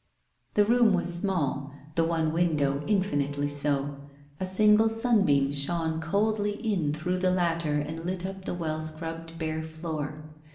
The room was small, the one window infinitely so. A single sunbeam shone coldly in through the latter and lit up the well scrubbed bare floor.